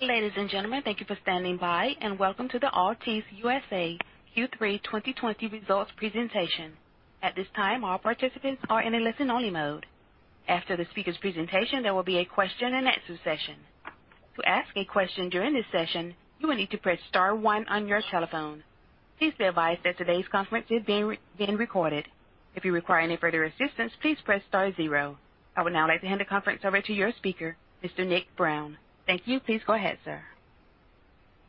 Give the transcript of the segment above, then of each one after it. Ladies and gentlemen, thank you for standing by, and welcome to the Altice USA Q3 2020 Results Presentation. At this time, all participants are in a listen-only mode. After the speaker's presentation, there will be a question-and-answer session. To ask a question during this session, you will need to press star one on your telephone. Please be advised that today's conference is being recorded. If you require any further assistance, please press star zero. I would now like to hand the conference over to your speaker, Mr. Nick Brown. Thank you. Please go ahead, sir.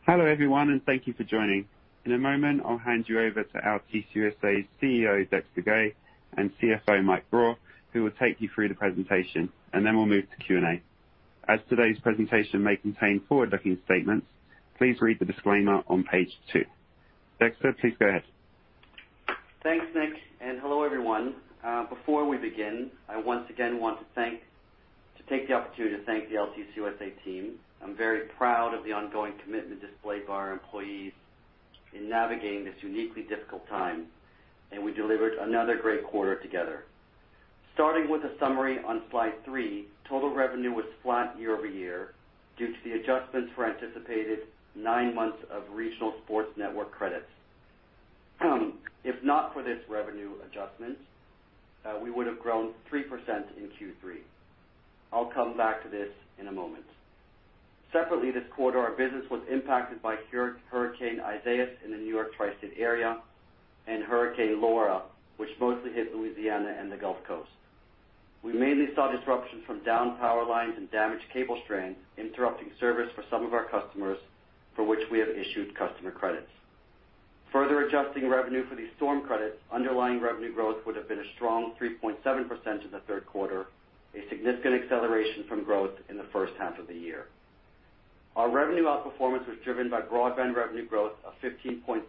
Hello, everyone, and thank you for joining. In a moment, I'll hand you over to Altice USA's CEO, Dexter Goei, and CFO, Mike Grau, who will take you through the presentation, and then we'll move to Q&A. As today's presentation may contain forward-looking statements, please read the disclaimer on page two. Dexter, please go ahead. Thanks, Nick, and hello, everyone. Before we begin, I once again want to thank, to take the opportunity to thank the Altice USA team. I'm very proud of the ongoing commitment displayed by our employees in navigating this uniquely difficult time, and we delivered another great quarter together. Starting with a summary on slide three, total revenue was flat year-over-year due to the adjustments for anticipated nine months of regional sports network credits. If not for this revenue adjustment, we would have grown 3% in Q3. I'll come back to this in a moment. Separately, this quarter, our business was impacted by Hurricane Isaias in the New York Tri-State Area, and Hurricane Laura, which mostly hit Louisiana and the Gulf Coast. We mainly saw disruptions from downed power lines and damaged cable strands, interrupting service for some of our customers, for which we have issued customer credits. Further adjusting revenue for these storm credits, underlying revenue growth would have been a strong 3.7% in the third quarter, a significant acceleration from growth in the first half of the year. Our revenue outperformance was driven by broadband revenue growth of 15.6%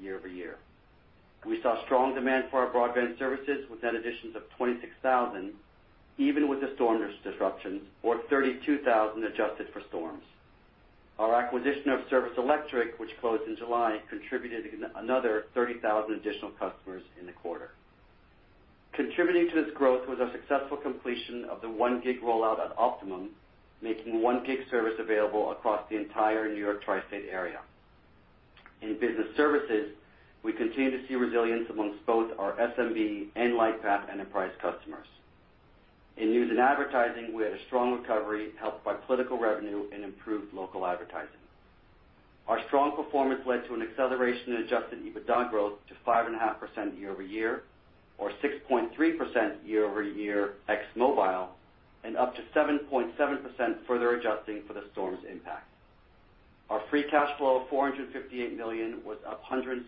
year-over-year. We saw strong demand for our broadband services, with net additions of 26,000, even with the storm disruptions, or 32,000 adjusted for storms. Our acquisition of Service Electric, which closed in July, contributed another 30,000 additional customers in the quarter. Contributing to this growth was a successful completion of the one gig rollout at Optimum, making one gig service available across the entire New York Tri-State Area. In business services, we continue to see resilience among both our SMB and Lightpath enterprise customers. In news and advertising, we had a strong recovery, helped by political revenue and improved local advertising. Our strong performance led to an acceleration in Adjusted EBITDA growth to 5.5% year-over-year, or 6.3% year-over-year ex mobile, and up to 7.7% further adjusting for the storm's impact. Our free cash flow of $458 million was up 176%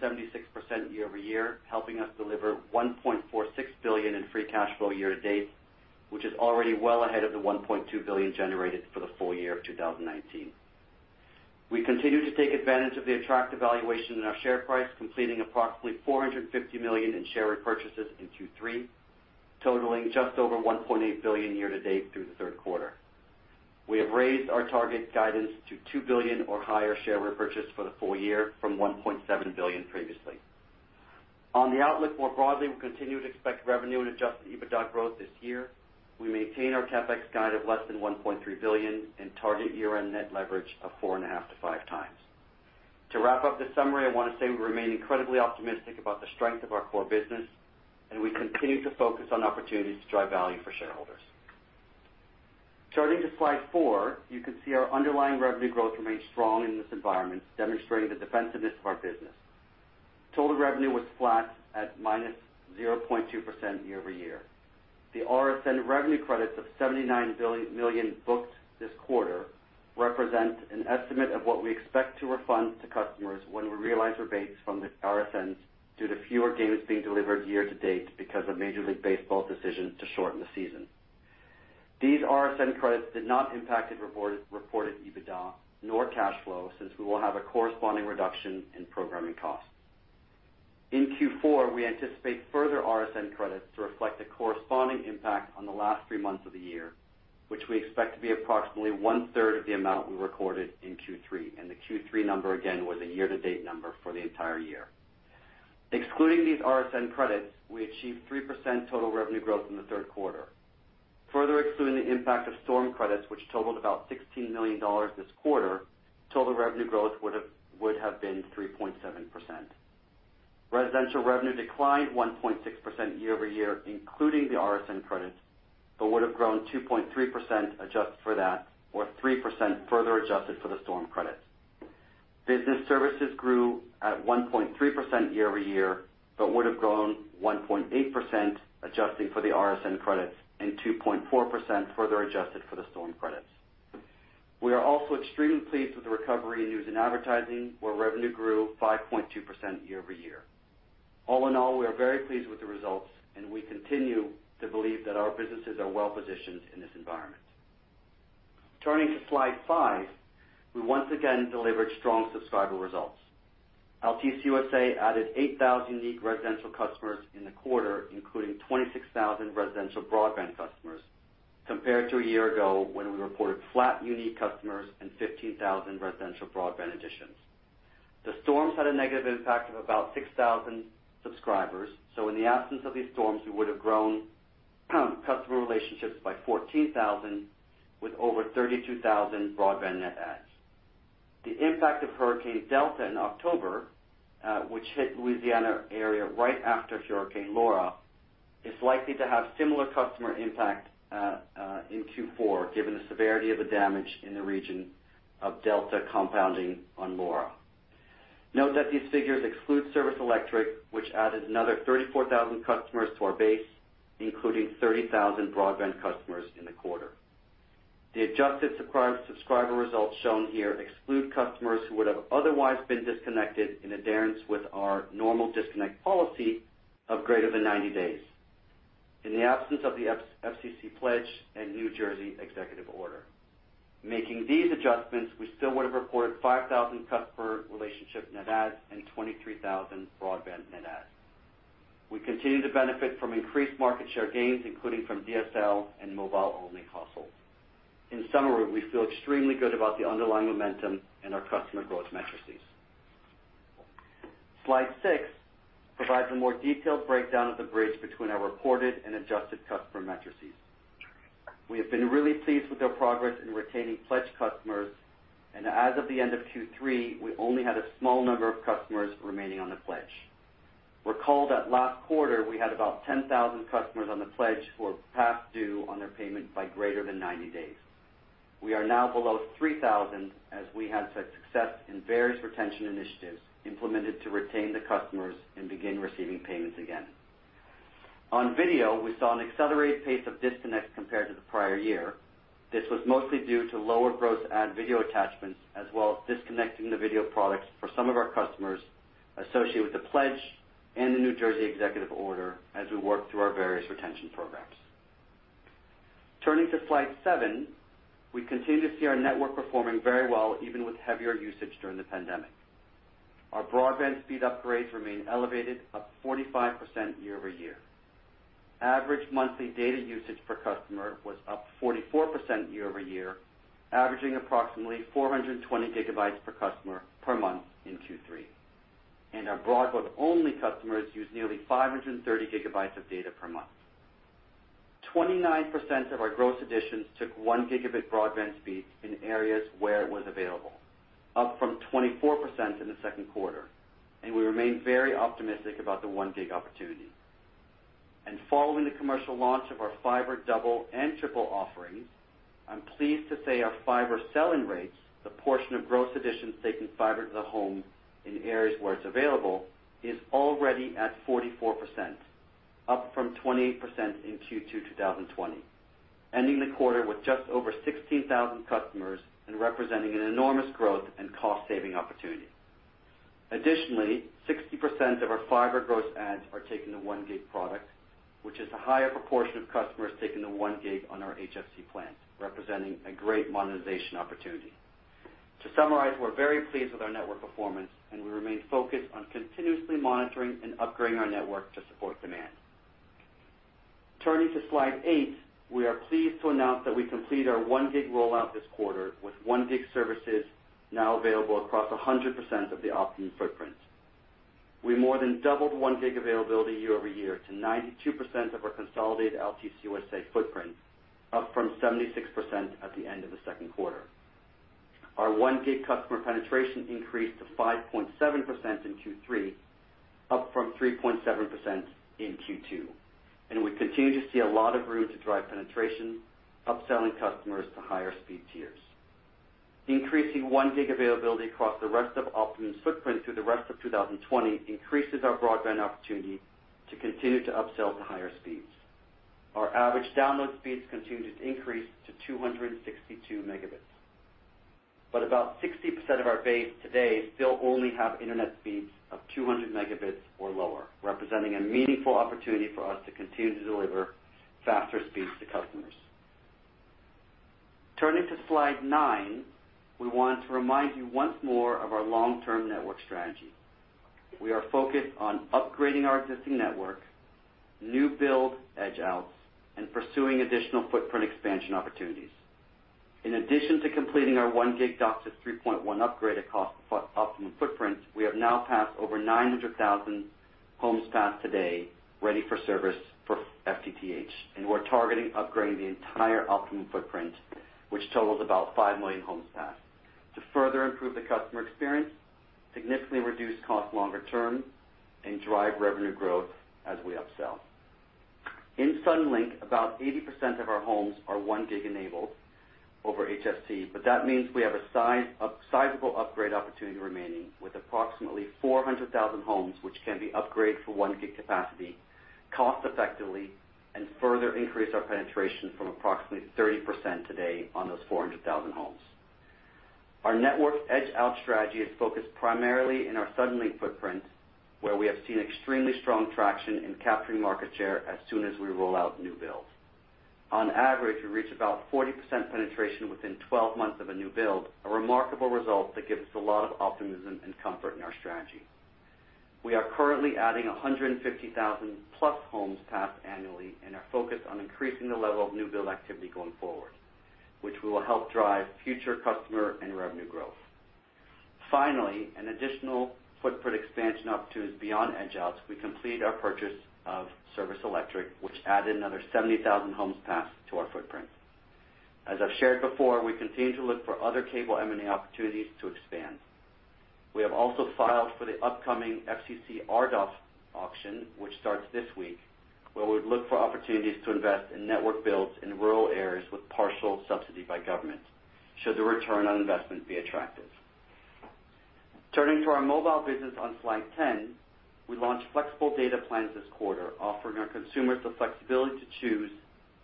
year-over-year, helping us deliver $1.46 billion in free cash flow year to date, which is already well ahead of the $1.2 billion generated for the full year of 2019. We continue to take advantage of the attractive valuation in our share price, completing approximately $450 million in share repurchases in Q3, totaling just over $1.8 billion year to date through the third quarter. We have raised our target guidance to $2 billion or higher share repurchase for the full year from $1.7 billion previously. On the outlook, more broadly, we continue to expect revenue and Adjusted EBITDA growth this year. We maintain our CapEx guide of less than $1.3 billion and target year-end net leverage of 4.5-5 times. To wrap up the summary, I want to say we remain incredibly optimistic about the strength of our core business, and we continue to focus on opportunities to drive value for shareholders. Turning to slide four, you can see our underlying revenue growth remains strong in this environment, demonstrating the defensiveness of our business. Total revenue was flat at -0.2% year-over-year. The RSN revenue credits of $79 million booked this quarter represent an estimate of what we expect to refund to customers when we realize rebates from the RSNs, due to fewer games being delivered year to date because of Major League Baseball's decision to shorten the season. These RSN credits did not impact the reported EBITDA, nor cash flow, since we will have a corresponding reduction in programming costs. In Q4, we anticipate further RSN credits to reflect the corresponding impact on the last three months of the year, which we expect to be approximately one-third of the amount we recorded in Q3, and the Q3 number, again, was a year-to-date number for the entire year. Excluding these RSN credits, we achieved 3% total revenue growth in the third quarter. Further excluding the impact of storm credits, which totaled about $16 million this quarter, total revenue growth would have been 3.7%. Residential revenue declined 1.6% year-over-year, including the RSN credits, but would have grown 2.3% adjusted for that, or 3% further adjusted for the storm credits. Business services grew at 1.3% year-over-year, but would have grown 1.8%, adjusting for the RSN credits, and 2.4% further adjusted for the storm credits. We are also extremely pleased with the recovery in news and advertising, where revenue grew 5.2% year-over-year. All in all, we are very pleased with the results, and we continue to believe that our businesses are well positioned in this environment. Turning to slide five, we once again delivered strong subscriber results. Altice USA added 8,000 unique residential customers in the quarter, including 26,000 residential broadband customers, compared to a year ago, when we reported flat unique customers and 15,000 residential broadband additions. The storms had a negative impact of about 6,000 subscribers, so in the absence of these storms, we would have grown customer relationships by 14,000, with over 32,000 broadband net adds. The impact of Hurricane Delta in October, which hit Louisiana area right after Hurricane Laura, is likely to have similar customer impact, in Q4, given the severity of the damage in the region of Delta compounding on Laura. Note that these figures exclude Service Electric, which added another 34,000 customers to our base, including 30,000 broadband customers in the quarter. The adjusted subscriber results shown here exclude customers who would have otherwise been disconnected in adherence with our normal disconnect policy of greater than 90 days in the absence of the FCC pledge and New Jersey executive order. Making these adjustments, we still would have reported 5,000 customer relationship net adds and 23,000 broadband net adds. We continue to benefit from increased market share gains, including from DSL and mobile-only households. In summary, we feel extremely good about the underlying momentum in our customer growth metrics. Slide six provides a more detailed breakdown of the bridge between our reported and adjusted customer metrics. We have been really pleased with our progress in retaining pledged customers, and as of the end of Q3, we only had a small number of customers remaining on the pledge. Recall that last quarter, we had about 10,000 customers on the pledge who were past due on their payment by greater than 90 days. We are now below 3,000, as we had success in various retention initiatives implemented to retain the customers and begin receiving payments again. On video, we saw an accelerated pace of disconnect compared to the prior year. This was mostly due to lower gross add video attachments, as well as disconnecting the video products for some of our customers associated with the pledge and the New Jersey executive order as we work through our various retention programs. Turning to slide seven, we continue to see our network performing very well, even with heavier usage during the pandemic. Our broadband speed upgrades remain elevated, up 45% year-over-year. Average monthly data usage per customer was up 44% year-over-year, averaging approximately 420 GB per customer per month in Q3. Our broadband-only customers use nearly 530 GB of data per month. 29% of our gross additions took 1 Gb broadband speed in areas where it was available, up from 24% in the second quarter, and we remain very optimistic about the one gig opportunity. And following the commercial launch of our fiber double and triple offerings, I'm pleased to say our fiber selling rates, the portion of gross additions taking fiber to the home in areas where it's available, is already at 44%, up from 28% in Q2 2020, ending the quarter with just over 16,000 customers and representing an enormous growth and cost saving opportunity. Additionally, 60% of our fiber gross adds are taking the one gig product, which is a higher proportion of customers taking the one gig on our HFC plans, representing a great monetization opportunity. To summarize, we're very pleased with our network performance, and we remain focused on continuously monitoring and upgrading our network to support demand. Turning to slide eight, we are pleased to announce that we completed our one gig rollout this quarter, with one gig services now available across 100% of the Optimum footprint. We more than doubled one gig availability year-over-year to 92% of our consolidated Altice USA footprint, up from 76% at the end of the second quarter. Our one gig customer penetration increased to 5.7% in Q3, up from 3.7% in Q2, and we continue to see a lot of room to drive penetration, upselling customers to higher speed tiers. Increasing 1 gig availability across the rest of Optimum's footprint through the rest of 2020 increases our broadband opportunity to continue to upsell to higher speeds. Our average download speeds continue to increase to 262 Mbps, but about 60% of our base today still only have internet speeds of 200 Mbps or lower, representing a meaningful opportunity for us to continue to deliver faster speeds to customers. Turning to slide nine, we want to remind you once more of our long-term network strategy. We are focused on upgrading our existing network, new build edge outs, and pursuing additional footprint expansion opportunities. In addition to completing our one gig DOCSIS 3.1 upgrade across the Optimum footprint, we have now passed over 900,000 homes passed today, ready for service for FTTH, and we're targeting upgrading the entire Optimum footprint, which totals about 5 million homes passed, to further improve the customer experience, significantly reduce cost longer term, and drive revenue growth as we upsell. In Suddenlink, about 80% of our homes are one gig enabled over HFC, but that means we have a sizable upgrade opportunity remaining with approximately 400,000 homes, which can be upgraded for one gig capacity cost effectively and further increase our penetration from approximately 30% today on those 400,000 homes. Our network's edge out strategy is focused primarily in our Suddenlink footprint, where we have seen extremely strong traction in capturing market share as soon as we roll out new builds. On average, we reach about 40% penetration within 12 months of a new build, a remarkable result that gives us a lot of optimism and comfort in our strategy. We are currently adding 150,000-plus homes passed annually and are focused on increasing the level of new build activity going forward, which will help drive future customer and revenue growth. Finally, an additional footprint expansion opportunities beyond edge Out, we completed our purchase of Service Electric, which added another 70,000 homes passed to our footprint. As I've shared before, we continue to look for other cable M&A opportunities to expand. We have also filed for the upcoming FCC RDOF auction, which starts this week, where we'd look for opportunities to invest in network builds in rural areas with partial subsidy by government, should the return on investment be attractive. Turning to our mobile business on slide 10, we launched flexible data plans this quarter, offering our consumers the flexibility to choose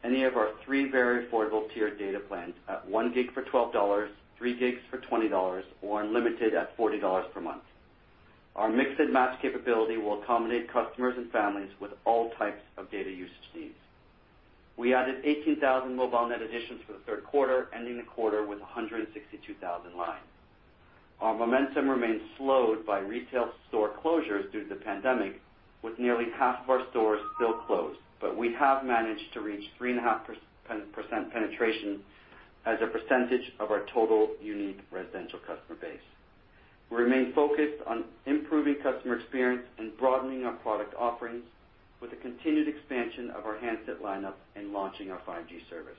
any of our three very affordable tiered data plans at one gig for $12, three gigs for $20, or unlimited at $40 per month. Our mix and match capability will accommodate customers and families with all types of data usage needs. We added 18,000 mobile net additions for the third quarter, ending the quarter with 162,000 lines. Our momentum remains slowed by retail store closures due to the pandemic, with nearly half of our stores still closed, but we have managed to reach 3.5% penetration as a percentage of our total unique residential customer base. We remain focused on improving customer experience and broadening our product offerings, with a continued expansion of our handset lineup and launching our 5G service.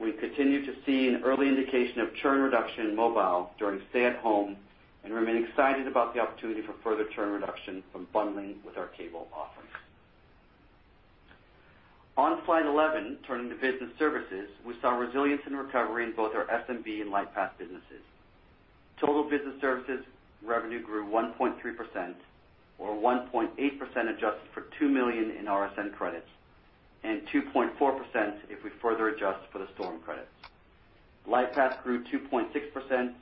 We continue to see an early indication of churn reduction in mobile during stay-at-home, and remain excited about the opportunity for further churn reduction from bundling with our cable offerings. On slide 11, turning to business services, we saw resilience and recovery in both our SMB and Lightpath businesses. Total business services revenue grew 1.3%, or 1.8%, adjusted for $2 million in RSN credits, and 2.4% if we further adjust for the storm credits. Lightpath grew 2.6%,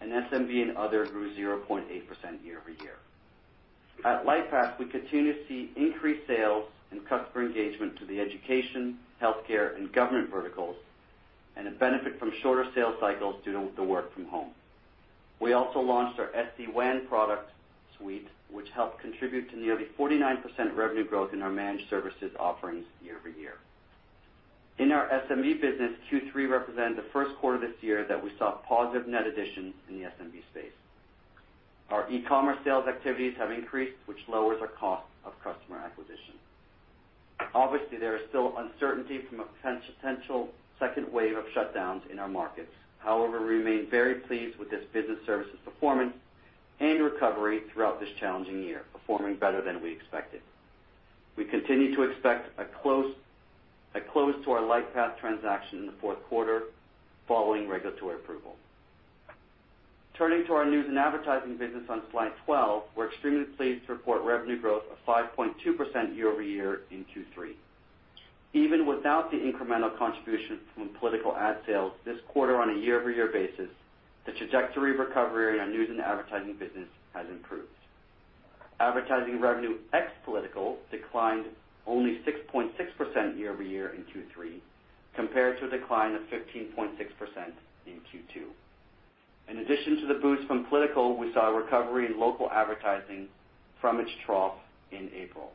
and SMB and other grew 0.8% year-over-year. At Lightpath, we continue to see increased sales and customer engagement to the education, healthcare, and government verticals, and a benefit from shorter sales cycles due to the work from home. We also launched our SD-WAN product suite, which helped contribute to nearly 49% revenue growth in our managed services offerings year-over-year. In our SMB business, Q3 represented the first quarter this year that we saw positive net additions in the SMB space. Our e-commerce sales activities have increased, which lowers our cost of customer acquisition. Obviously, there is still uncertainty from a potential second wave of shutdowns in our markets. However, we remain very pleased with this business services performance and recovery throughout this challenging year, performing better than we expected. We continue to expect a close to our Lightpath transaction in the fourth quarter following regulatory approval. Turning to our news and advertising business on slide 12, we're extremely pleased to report revenue growth of 5.2% year-over-year in Q3. Even without the incremental contribution from political ad sales this quarter on a year-over-year basis, the trajectory of recovery in our news and advertising business has improved. Advertising revenue, ex political, declined only 6.6% year-over-year in Q3, compared to a decline of 15.6% in Q2. In addition to the boost from political, we saw a recovery in local advertising from its trough in April.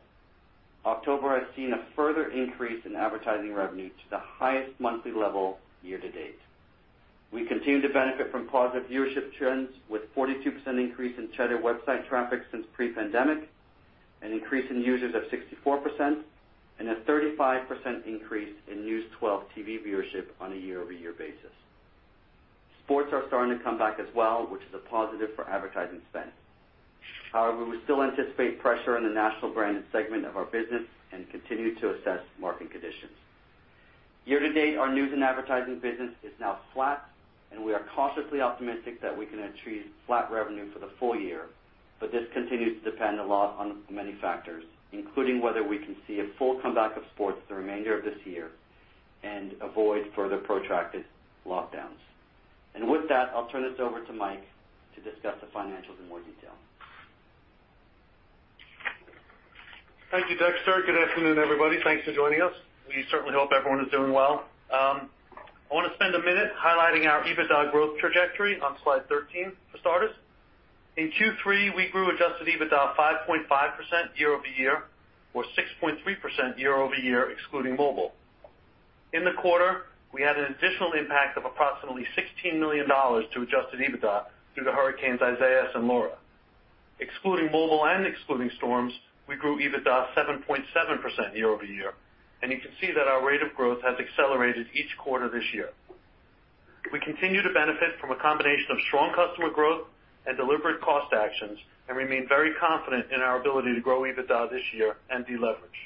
October has seen a further increase in advertising revenue to the highest monthly level year to date. We continue to benefit from positive viewership trends, with 42% increase in Cheddar website traffic since pre-pandemic, an increase in users of 64%, and a 35% increase in News 12 TV viewership on a year-over-year basis. Sports are starting to come back as well, which is a positive for advertising spend. However, we still anticipate pressure in the national branded segment of our business and continue to assess market conditions. Year to date, our news and advertising business is now flat, and we are cautiously optimistic that we can achieve flat revenue for the full year, but this continues to depend a lot on many factors, including whether we can see a full comeback of sports the remainder of this year and avoid further protracted lockdowns, and with that, I'll turn this over to Mike to discuss the financials in more detail. Thank you, Dexter. Good afternoon, everybody. Thanks for joining us. We certainly hope everyone is doing well. I want to spend a minute highlighting our EBITDA growth trajectory on slide 13, for starters. In Q3, we grew adjusted EBITDA 5.5% year-over-year, or 6.3% year-over-year, excluding mobile. In the quarter, we had an additional impact of approximately $16 million to adjusted EBITDA due to hurricanes Isaias and Laura. Excluding mobile and excluding storms, we grew EBITDA 7.7% year-over-year, and you can see that our rate of growth has accelerated each quarter this year. We continue to benefit from a combination of strong customer growth and deliberate cost actions, and remain very confident in our ability to grow EBITDA this year and deleverage.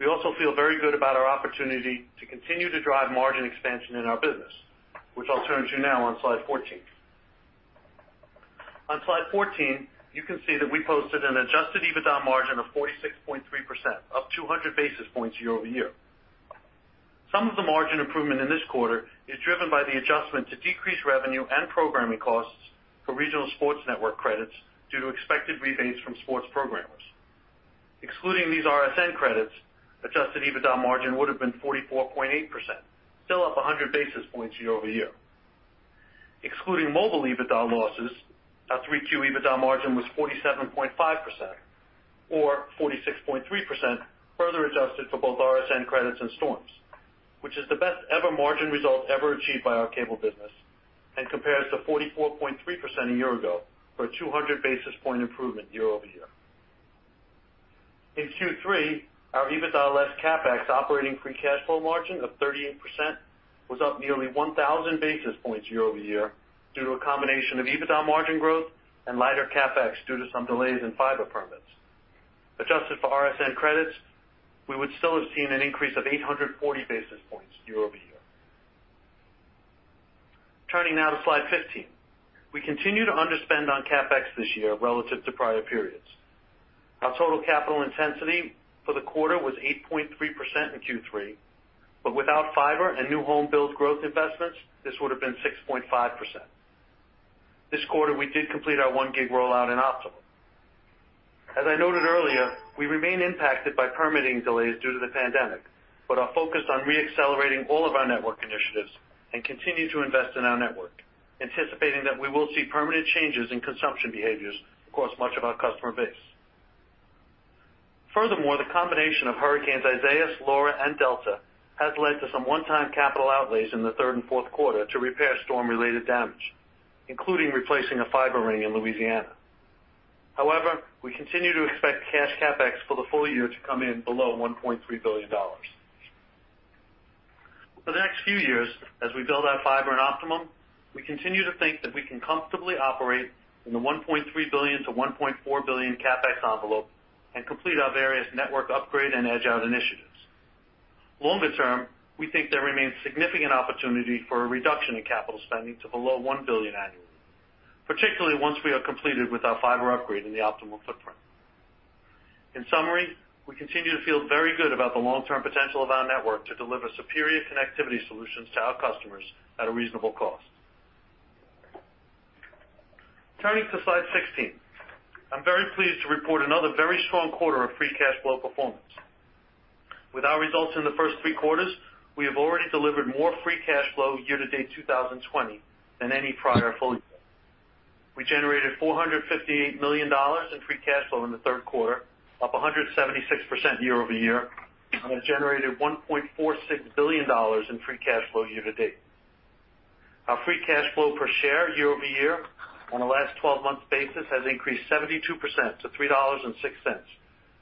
We also feel very good about our opportunity to continue to drive margin expansion in our business, which I'll turn to you now on slide 14. On slide 14, you can see that we posted an Adjusted EBITDA margin of 46.3%, up 200 basis points year-over-year. Some of the margin improvement in this quarter is driven by the adjustment to decrease revenue and programming costs for regional sports network credits due to expected rebates from sports programmers. Excluding these RSN credits, Adjusted EBITDA margin would have been 44.8%, still up 100 basis points year-over-year. Excluding mobile EBITDA losses, our Q3 EBITDA margin was 47.5%, or 46.3%, further adjusted for both RSN credits and storms, which is the best ever margin result ever achieved by our cable business, and compares to 44.3% a year ago, for a 200 basis points improvement year-over-year. In Q3, our EBITDA less CapEx operating free cash flow margin of 38% was up nearly 1,000 basis points year-over-year due to a combination of EBITDA margin growth and lighter CapEx due to some delays in fiber permits. Adjusted for RSN credits, we would still have seen an increase of 840 basis points year-over-year. Turning now to slide 15. We continue to underspend on CapEx this year relative to prior periods. Our total capital intensity for the quarter was 8.3% in Q3, but without fiber and new home build growth investments, this would have been 6.5%. This quarter, we did complete our 1 gig rollout in Optimum. As I noted earlier, we remain impacted by permitting delays due to the pandemic, but are focused on reaccelerating all of our network initiatives and continue to invest in our network, anticipating that we will see permanent changes in consumption behaviors across much of our customer base. Furthermore, the combination of hurricanes Isaias, Laura, and Delta has led to some one-time capital outlays in the third and fourth quarter to repair storm-related damage, including replacing a fiber ring in Louisiana. However, we continue to expect cash CapEx for the full year to come in below $1.3 billion. For the next few years, as we build our fiber in Optimum, we continue to think that we can comfortably operate in the $1.3 billion-$1.4 billion CapEx envelope and complete our various network upgrade and edge out initiatives. Longer term, we think there remains significant opportunity for a reduction in capital spending to below $1 billion annually, particularly once we are completed with our fiber upgrade in the Optimum footprint. In summary, we continue to feel very good about the long-term potential of our network to deliver superior connectivity solutions to our customers at a reasonable cost. Turning to slide 16. I'm very pleased to report another very strong quarter of free cash flow performance. With our results in the first three quarters, we have already delivered more free cash flow year to date 2020 than any prior full year. We generated $458 million in free cash flow in the third quarter, up 176% year-over-year, and has generated $1.46 billion in free cash flow year to date. Our free cash flow per share year-over-year on a last twelve-month basis has increased 72% to $3.06,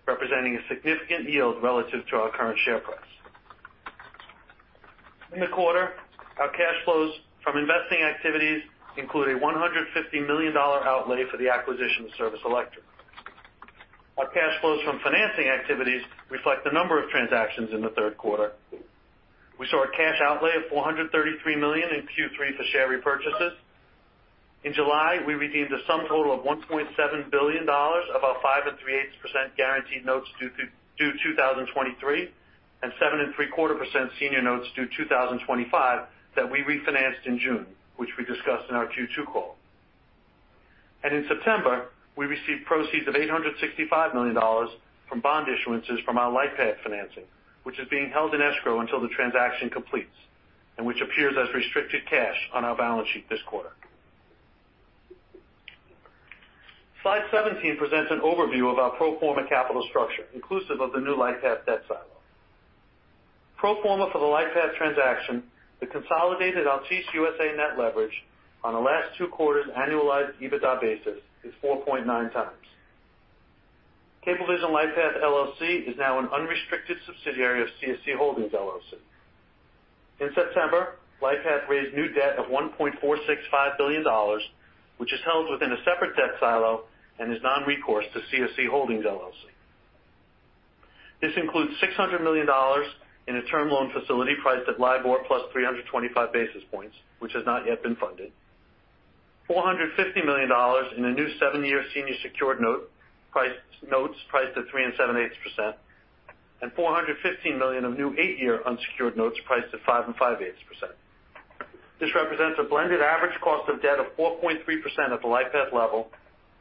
representing a significant yield relative to our current share price. In the quarter, our cash flows from investing activities include a $150 million outlay for the acquisition of Service Electric. Our cash flows from financing activities reflect the number of transactions in the third quarter. We saw a cash outlay of $433 million in Q3 for share repurchases. In July, we redeemed a sum total of $1.7 billion of our 5.375% guaranteed notes due 2023, and 7.75% senior notes due 2025, that we refinanced in June, which we discussed in our Q2 call. In September, we received proceeds of $865 million from bond issuances from our Lightpath financing, which is being held in escrow until the transaction completes, and which appears as restricted cash on our balance sheet this quarter. Slide 17 presents an overview of our pro forma capital structure, inclusive of the new Lightpath debt silo. Pro forma for the Lightpath transaction, the consolidated Altice USA net leverage on the last two quarters annualized EBITDA basis is 4.9 times. Cablevision Lightpath LLC is now an unrestricted subsidiary of CSC Holdings LLC. In September, Lightpath raised new debt of $1.465 billion, which is held within a separate debt silo and is non-recourse to CSC Holdings LLC. This includes $600 million in a term loan facility priced at LIBOR plus 325 basis points, which has not yet been funded. $450 million in a new seven-year senior secured notes priced at 3.875%, and $415 million of new eight-year unsecured notes priced at 5.5%. This represents a blended average cost of debt of 4.3% at the Lightpath level,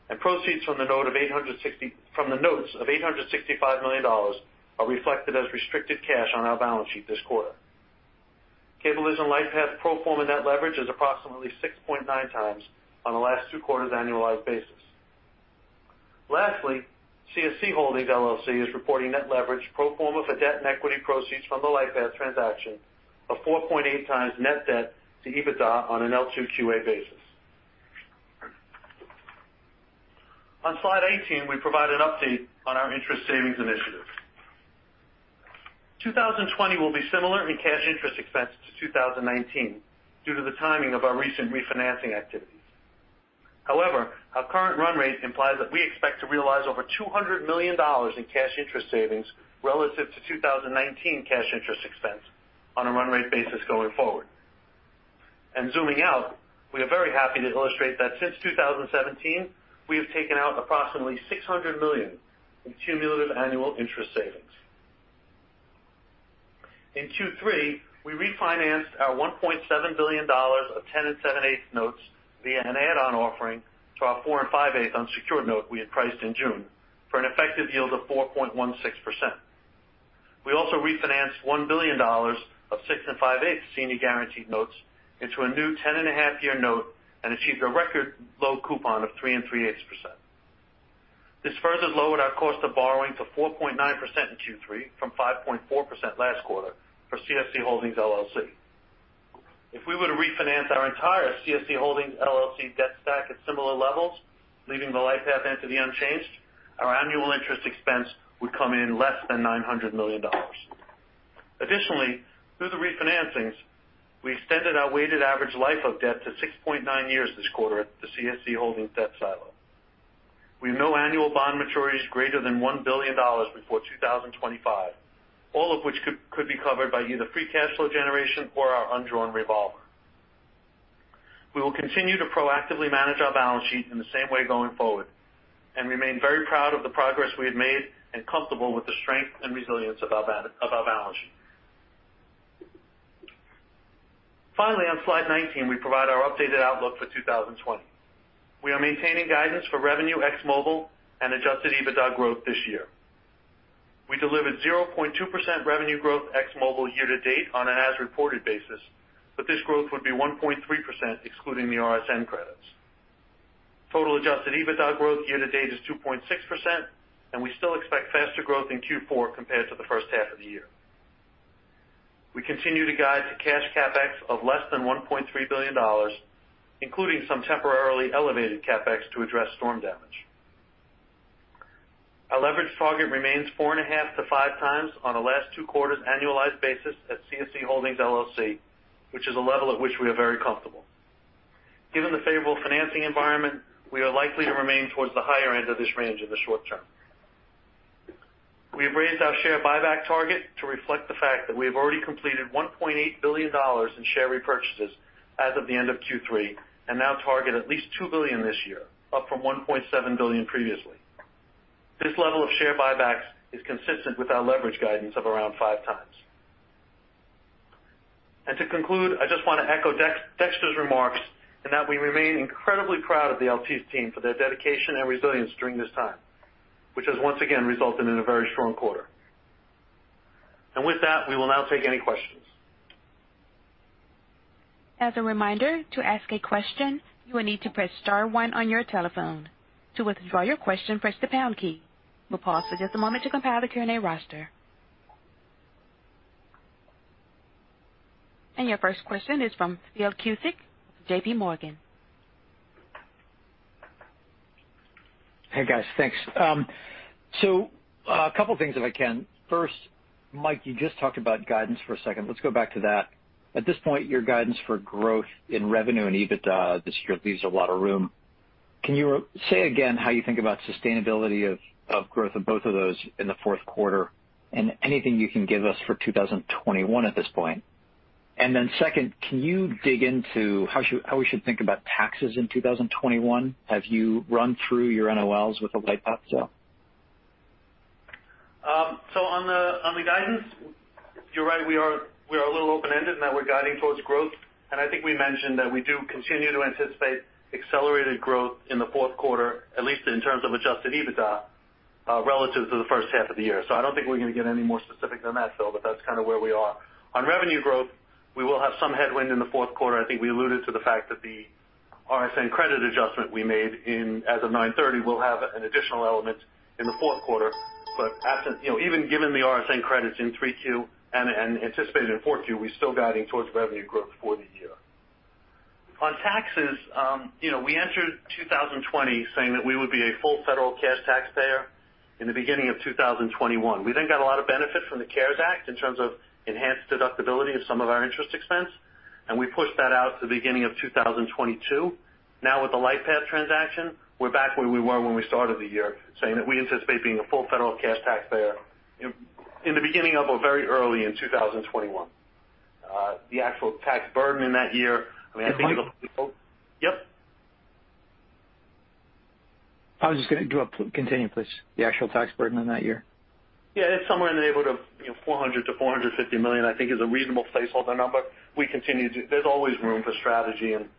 and proceeds from the notes of $865 million are reflected as restricted cash on our balance sheet this quarter. Cablevision Lightpath pro forma net leverage is approximately 6.9 times on the last two quarters annualized basis. Lastly, CSC Holdings LLC is reporting net leverage pro forma for debt and equity proceeds from the Lightpath transaction of 4.8 times net debt to EBITDA on an L2QA basis. On slide 18, we provide an update on our interest savings initiatives. 2020 will be similar in cash interest expense to 2019 due to the timing of our recent refinancing activities. However, our current run rate implies that we expect to realize over $200 million in cash interest savings relative to 2019 cash interest expense on a run rate basis going forward. And zooming out, we are very happy to illustrate that since 2017, we have taken out approximately $600 million in cumulative annual interest savings. In Q3, we refinanced our $1.7 billion of 10.875% notes via an add-on offering to our 4.625% unsecured note we had priced in June for an effective yield of 4.16%... We also refinanced $1 billion of 6.625% senior guaranteed notes into a new 10.5-year note and achieved a record low coupon of 3.375%. This further lowered our cost of borrowing to 4.9% in Q3 from 5.4% last quarter for CSC Holdings LLC. If we were to refinance our entire CSC Holdings LLC debt stack at similar levels, leaving the Lightpath entity unchanged, our annual interest expense would come in less than $900 million. Additionally, through the refinancings, we extended our weighted average life of debt to 6.9 years this quarter at the CSC Holdings debt silo. We have no annual bond maturities greater than $1 billion before 2025, all of which could be covered by either free cash flow generation or our undrawn revolver. We will continue to proactively manage our balance sheet in the same way going forward, and remain very proud of the progress we have made and comfortable with the strength and resilience of our balance sheet. Finally, on slide 19, we provide our updated outlook for two thousand and twenty. We are maintaining guidance for revenue ex mobile and Adjusted EBITDA growth this year. We delivered 0.2% revenue growth ex mobile year-to-date on an as-reported basis, but this growth would be 1.3%, excluding the RSN credits. Total Adjusted EBITDA growth year-to-date is 2.6%, and we still expect faster growth in Q4 compared to the first half of the year. We continue to guide to cash CapEx of less than $1.3 billion, including some temporarily elevated CapEx to address storm damage. Our leverage target remains four and a half to five times on a last two quarters annualized basis at CSC Holdings LLC, which is a level at which we are very comfortable. Given the favorable financing environment, we are likely to remain towards the higher end of this range in the short term. We have raised our share buyback target to reflect the fact that we have already completed $1.8 billion in share repurchases as of the end of Q3, and now target at least $2 billion this year, up from $1.7 billion previously. This level of share buybacks is consistent with our leverage guidance of around five times. And to conclude, I just want to echo Dex, Dexter's remarks, and that we remain incredibly proud of the Altice team for their dedication and resilience during this time, which has once again resulted in a very strong quarter. And with that, we will now take any questions. As a reminder, to ask a question, you will need to press star one on your telephone. To withdraw your question, press the pound key. We'll pause for just a moment to compile the Q&A roster, and your first question is from Phil Cusick, J.P. Morgan. Hey, guys, thanks. So a couple of things, if I can. First, Mike, you just talked about guidance for a second. Let's go back to that. At this point, your guidance for growth in revenue and EBITDA this year leaves a lot of room. Can you say again how you think about sustainability of growth of both of those in the fourth quarter and anything you can give us for two thousand and twenty-one at this point? And then second, can you dig into how we should think about taxes in two thousand and twenty-one? Have you run through your NOLs with the Lightpath sale? So on the guidance, you're right, we are a little open-ended in that we're guiding towards growth. And I think we mentioned that we do continue to anticipate accelerated growth in the fourth quarter, at least in terms of Adjusted EBITDA, relative to the first half of the year. So I don't think we're gonna get any more specific than that, Phil, but that's kind of where we are. On revenue growth, we will have some headwind in the fourth quarter. I think we alluded to the fact that the RSN credit adjustment we made as of September 30 will have an additional element in the fourth quarter. But, you know, even given the RSN credits in 3Q and anticipated in 4Q, we're still guiding towards revenue growth for the year. On taxes, you know, we entered 2020 saying that we would be a full federal cash taxpayer in the beginning of 2021. We then got a lot of benefit from the CARES Act in terms of enhanced deductibility of some of our interest expense, and we pushed that out to the beginning of 2022. Now, with the Lightpath transaction, we're back where we were when we started the year, saying that we anticipate being a full federal cash taxpayer in the beginning of, or very early in 2021. The actual tax burden in that year, I mean, I think it'll- Hey, Mike? Yep. Continue, please. The actual tax burden in that year. Yeah, it's somewhere in the neighborhood of, you know, $400 million-$450 million, I think, is a reasonable placeholder number. There's always room for strategy and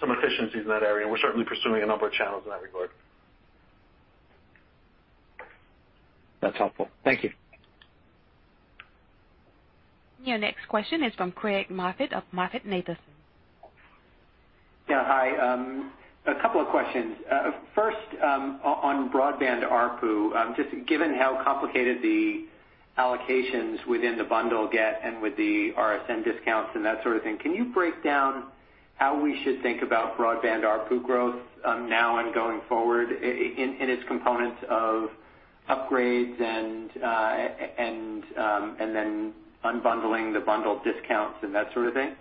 some efficiencies in that area, and we're certainly pursuing a number of channels in that regard. That's helpful. Thank you. Your next question is from Craig Moffett of MoffettNathanson. Yeah, hi. A couple of questions. First, on broadband ARPU, just given how complicated the allocations within the bundle get and with the RSN discounts and that sort of thing, can you break down how we should think about broadband ARPU growth, now and going forward in its components of upgrades and, and then unbundling the bundled discounts and that sort of thing?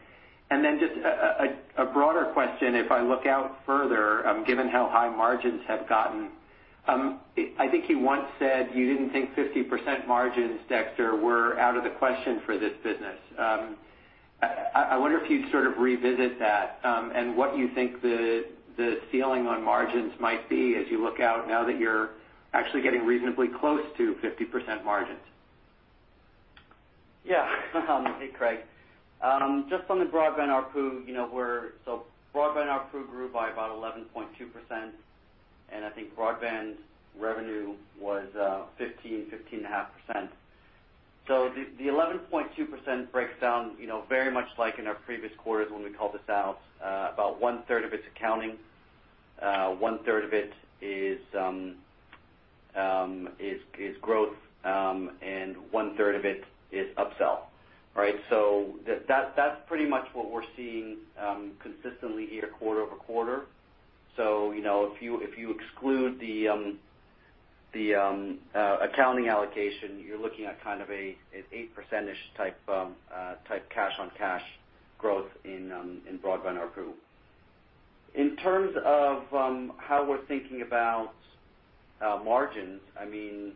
And then just a broader question, if I look out further, given how high margins have gotten, I think you once said you didn't think 50% margins, Dexter, were out of the question for this business. I wonder if you'd sort of revisit that, and what you think the ceiling on margins might be as you look out now that you're actually getting reasonably close to 50% margins?... Yeah. Hey, Craig. Just on the broadband ARPU, you know, we're, so broadband ARPU grew by about 11.2%, and I think broadband revenue was, fifteen, 15.5%. So the 11.2% breaks down, you know, very much like in our previous quarters when we called this out, about one third of it's accounting, one third of it is growth, and one third of it is upsell. All right? So that's pretty much what we're seeing, consistently here quarter over quarter. So, you know, if you exclude the accounting allocation, you're looking at kind of an 8% type cash on cash growth in broadband ARPU. In terms of how we're thinking about margins, I mean,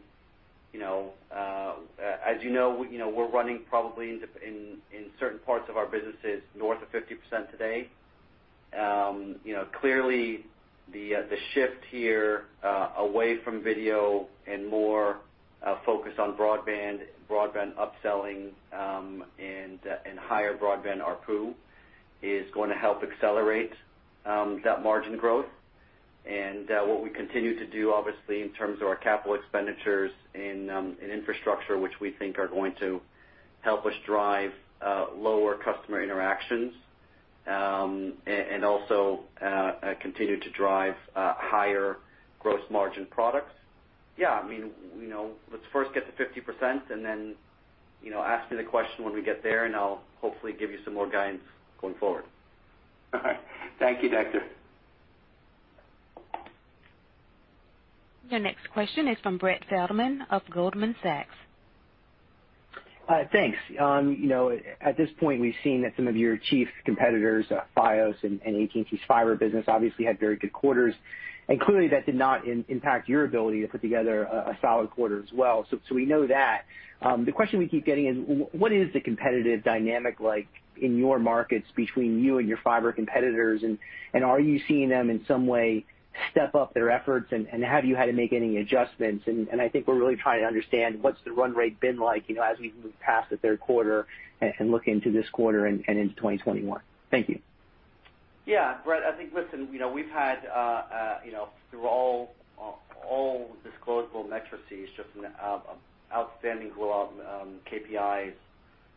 you know, as you know, we're running probably in certain parts of our businesses north of 50% today. You know, clearly, the shift here away from video and more focused on broadband upselling and higher broadband ARPU is going to help accelerate that margin growth. And what we continue to do, obviously, in terms of our capital expenditures in infrastructure, which we think are going to help us drive lower customer interactions and also continue to drive higher gross margin products. Yeah, I mean, you know, let's first get to 50% and then, you know, ask me the question when we get there, and I'll hopefully give you some more guidance going forward. Thank you, Dexter. Your next question is from Brett Feldman of Goldman Sachs. Thanks. You know, at this point, we've seen that some of your chief competitors, Fios and AT&T's fiber business, obviously had very good quarters, and clearly, that did not impact your ability to put together a solid quarter as well. So we know that. The question we keep getting is, what is the competitive dynamic like in your markets between you and your fiber competitors? And are you seeing them in some way step up their efforts, and have you had to make any adjustments? And I think we're really trying to understand what's the run rate been like, you know, as we move past the third quarter and look into this quarter and into 2021. Thank you. Yeah, Brett, I think, listen, you know, we've had, you know, through all disclosable metrics, just outstanding rollout, KPIs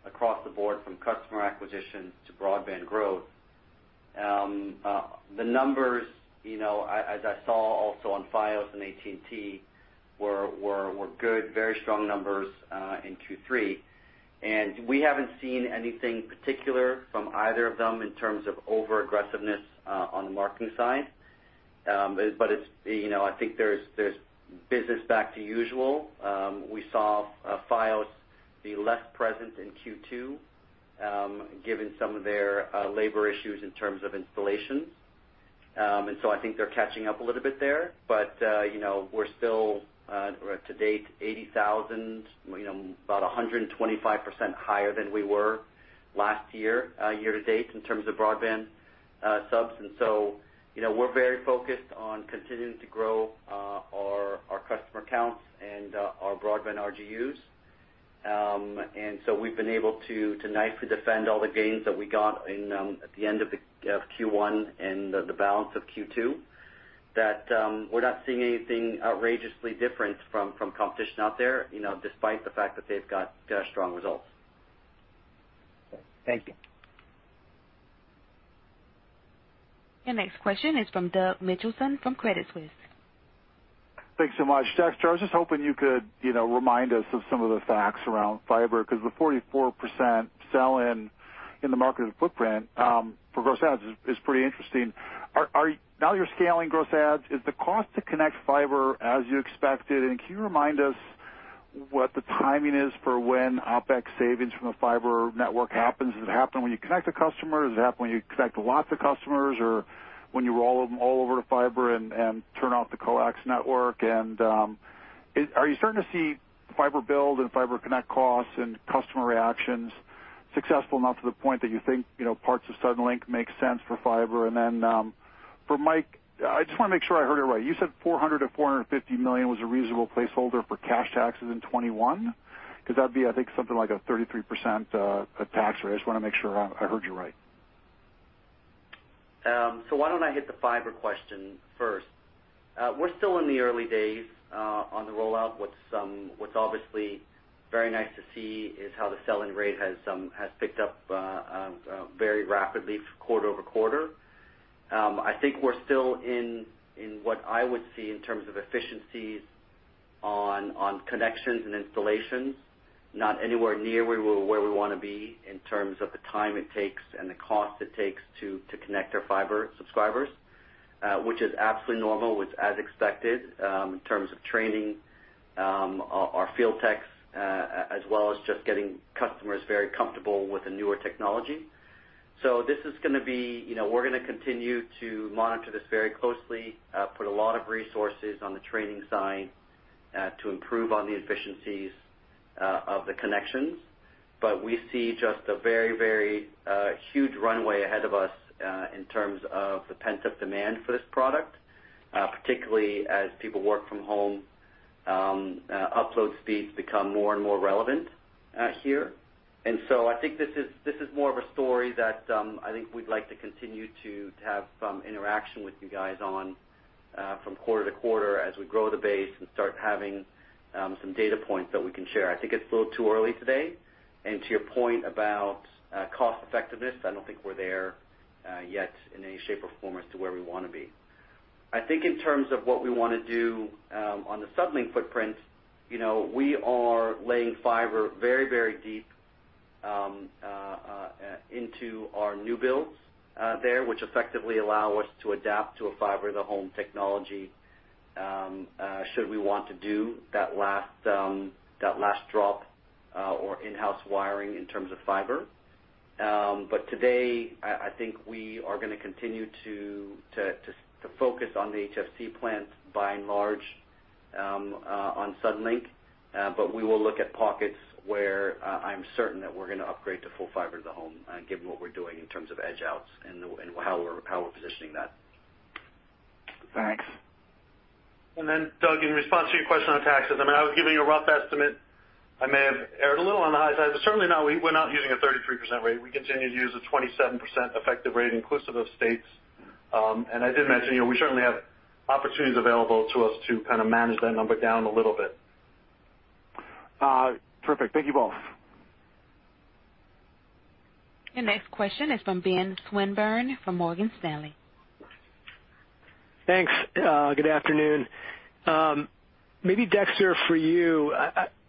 across the board, from customer acquisition to broadband growth. The numbers, you know, as I saw also on Fios and AT&T, were good, very strong numbers in Q3. And we haven't seen anything particular from either of them in terms of overaggressiveness on the marketing side. But it's, you know, I think there's back to business as usual. We saw Fios be less present in Q2, given some of their labor issues in terms of installations. And so I think they're catching up a little bit there. But you know, we're still to date 80,000 you know about 125% higher than we were last year year to date in terms of broadband subs. And so you know, we're very focused on continuing to grow our customer counts and our broadband RGUs. And so we've been able to nicely defend all the gains that we got in at the end of Q1 and the balance of Q2 that we're not seeing anything outrageously different from competition out there you know despite the fact that they've got strong results. Thank you. Your next question is from Doug Mitchelson, from Credit Suisse. Thanks so much, Dexter. I was just hoping you could, you know, remind us of some of the facts around fiber, because the 44% sell-in in the market of footprint for gross adds is pretty interesting. Are you now that you're scaling gross adds, is the cost to connect fiber as you expected? And can you remind us what the timing is for when OpEx savings from a fiber network happens? Does it happen when you connect a customer? Does it happen when you connect lots of customers, or when you roll them all over to fiber and turn off the coax network? And are you starting to see fiber build and fiber connect costs and customer reactions successful enough to the point that you think, you know, parts of Suddenlink makes sense for fiber? And then, for Mike, I just want to make sure I heard it right. You said $400 million-$450 million was a reasonable placeholder for cash taxes in 2021? Because that'd be, I think, something like a 33% tax rate. I just want to make sure I heard you right. So why don't I hit the fiber question first? We're still in the early days on the rollout. What's obviously very nice to see is how the sell-in rate has picked up very rapidly quarter over quarter. I think we're still in what I would see in terms of efficiencies on connections and installations, not anywhere near where we want to be in terms of the time it takes and the cost it takes to connect our fiber subscribers, which is absolutely normal, which as expected, in terms of training our field techs, as well as just getting customers very comfortable with the newer technology. So this is gonna be... You know, we're gonna continue to monitor this very closely, put a lot of resources on the training side, to improve on the efficiencies of the connections. But we see just a very, very huge runway ahead of us in terms of the pent-up demand for this product... particularly as people work from home, upload speeds become more and more relevant here. And so I think this is more of a story that I think we'd like to continue to have some interaction with you guys on from quarter to quarter as we grow the base and start having some data points that we can share. I think it's a little too early today. And to your point about cost effectiveness, I don't think we're there yet in any shape or form as to where we wanna be. I think in terms of what we wanna do on the Suddenlink footprint, you know, we are laying fiber very, very deep into our new builds there, which effectively allow us to adapt to a fiber to the home technology should we want to do that last drop or in-house wiring in terms of fiber. But today, I think we are gonna continue to focus on the HFC plans, by and large on Suddenlink. But we will look at pockets where I'm certain that we're gonna upgrade to full fiber to the home, given what we're doing in terms of edge outs and how we're positioning that. Thanks. And then, Doug, in response to your question on taxes, I mean, I was giving you a rough estimate. I may have erred a little on the high side, but certainly not, we're not using a 33% rate. We continue to use a 27% effective rate, inclusive of states, and I did mention, you know, we certainly have opportunities available to us to kind of manage that number down a little bit. Perfect. Thank you both. Your next question is from Ben Swinburne from Morgan Stanley. Thanks. Good afternoon. Maybe Dexter, for you,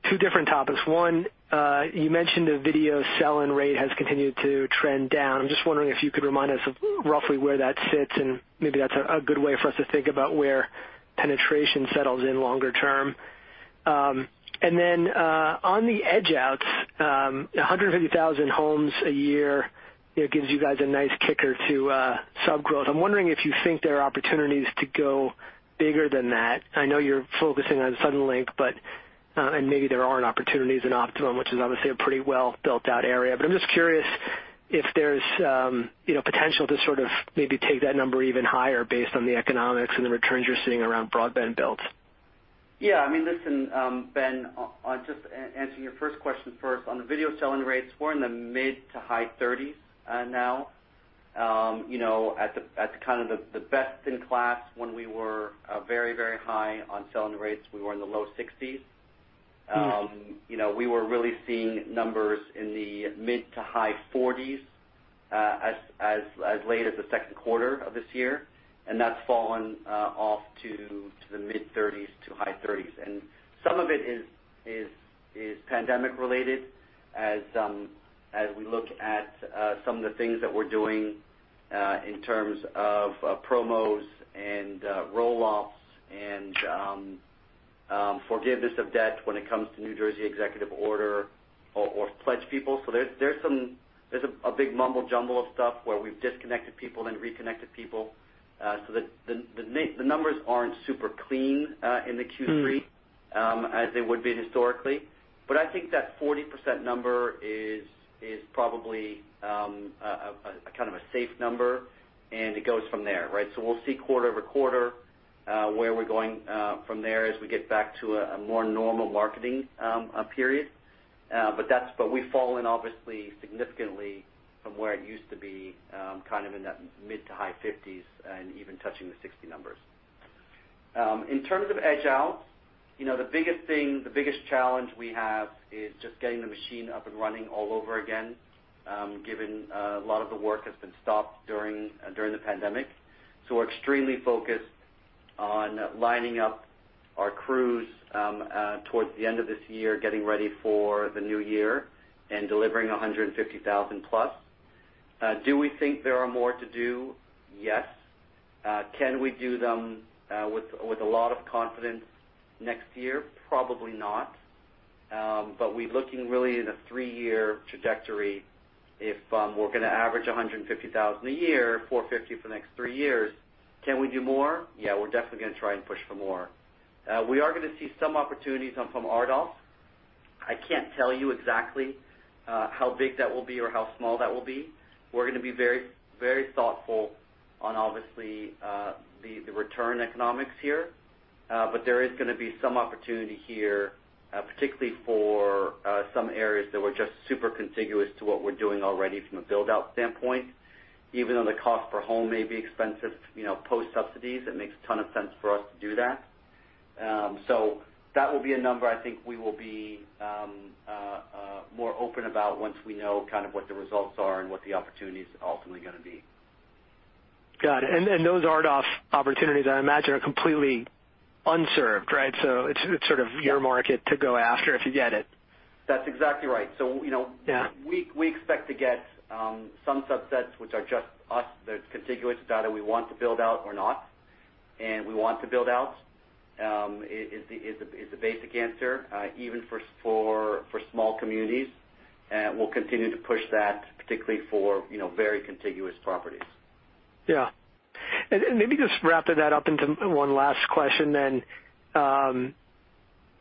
two different topics. One, you mentioned the video sell-in rate has continued to trend down. I'm just wondering if you could remind us of roughly where that sits, and maybe that's a good way for us to think about where penetration settles in longer term. And then, on the edge outs, 150,000 homes a year, it gives you guys a nice kicker to sub growth. I'm wondering if you think there are opportunities to go bigger than that. I know you're focusing on Suddenlink, but, and maybe there aren't opportunities in Optimum, which is obviously a pretty well built out area. But I'm just curious if there's, you know, potential to sort of maybe take that number even higher based on the economics and the returns you're seeing around broadband builds? Yeah, I mean, listen, Ben, on, just answering your first question first, on the video sell-in rates, we're in the mid to high thirties, now. You know, at kind of the best in class, when we were very, very high on sell-in rates, we were in the low sixties. You know, we were really seeing numbers in the mid to high forties, as late as the second quarter of this year, and that's fallen off to the mid-thirties to high thirties. And some of it is pandemic related as we look at some of the things that we're doing in terms of promos and roll-offs and forgiveness of debt when it comes to New Jersey executive order or pledge people. There's a big mumbo jumbo of stuff where we've disconnected people and reconnected people, so that the numbers aren't super clean in the Q3. Mm. As they would be historically. But I think that 40% number is probably a kind of a safe number, and it goes from there, right? So we'll see quarter over quarter, where we're going, from there as we get back to a more normal marketing period. But we've fallen, obviously, significantly from where it used to be, kind of in that mid- to high-50s and even touching the 60 numbers. In terms of edge out, you know, the biggest thing, the biggest challenge we have is just getting the machine up and running all over again, given a lot of the work has been stopped during the pandemic. So we're extremely focused on lining up our crews towards the end of this year, getting ready for the new year and delivering a hundred and fifty thousand plus. Do we think there are more to do? Yes. Can we do them with a lot of confidence next year? Probably not. But we're looking really in a three-year trajectory if we're gonna average a hundred and fifty thousand a year, four fifty for the next three years. Can we do more? Yeah, we're definitely gonna try and push for more. We are gonna see some opportunities come from RDOF. I can't tell you exactly how big that will be or how small that will be. We're gonna be very, very thoughtful on, obviously, the return economics here. But there is gonna be some opportunity here, particularly for some areas that were just super contiguous to what we're doing already from a build out standpoint. Even though the cost per home may be expensive, you know, post subsidies, it makes a ton of sense for us to do that. So that will be a number I think we will be more open about once we know kind of what the results are and what the opportunities are ultimately gonna be. Got it. And then those RDOF opportunities, I imagine, are completely unserved, right? So it's sort of your market to go after, if you get it. That's exactly right. So, you know- Yeah. We expect to get some subsets which are just us, that's contiguous to areas we want to build out or not, and we want to build out is the basic answer, even for small communities. We'll continue to push that, particularly for, you know, very contiguous properties. Yeah. And maybe just wrapping that up into one last question then,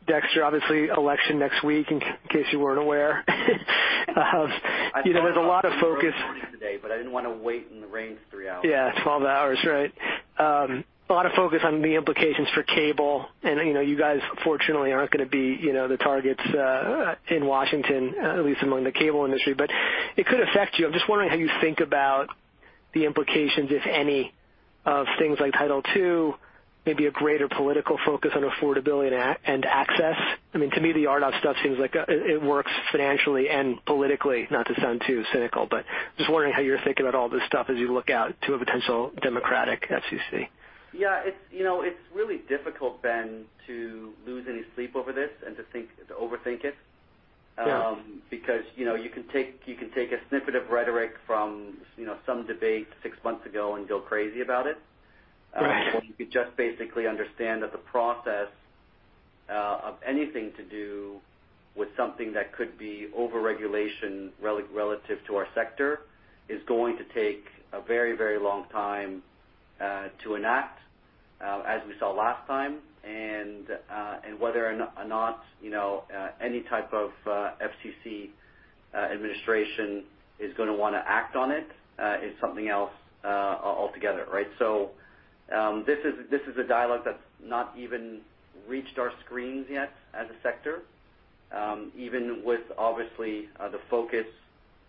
Dexter, obviously election next week, in case you weren't aware. You know, there's a lot of focus- Today, but I didn't wanna wait in the rain for three hours. Yeah, twelve hours, right. A lot of focus on the implications for cable, and, you know, you guys fortunately aren't gonna be, you know, the targets in Washington, at least among the cable industry, but it could affect you. I'm just wondering how you think about the implications, if any, of things like Title II, maybe a greater political focus on affordability and access. I mean, to me, the RDOF stuff seems like it works financially and politically, not to sound too cynical, but just wondering how you're thinking about all this stuff as you look out to a potential Democratic FCC. Yeah, it's, you know, it's really difficult, Ben, to lose any sleep over this and to overthink it. Yeah. Because, you know, you can take a snippet of rhetoric from, you know, some debate six months ago and go crazy about it. Right. But you could just basically understand that the process of anything to do with something that could be overregulation relative to our sector is going to take a very, very long time to enact, as we saw last time, and whether or not, you know, any type of FCC administration is gonna wanna act on it is something else altogether, right? So, this is a dialogue that's not even reached our screens yet as a sector, even with obviously the focus